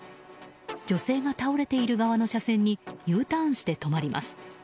女性が倒れている側の車線にＵターンして止まります。